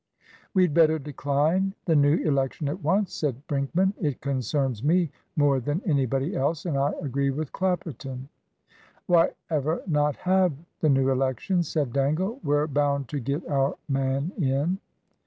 "We'd better decline the new election at once," said Brinkman; "it concerns me more than anybody else; and I agree with Clapperton." "Why ever not have the new election?" said Dangle. "We're bound to get our man in."